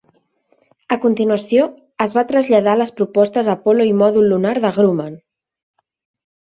A continuació, es va traslladar a les propostes Apollo i Mòdul Lunar de Grumman.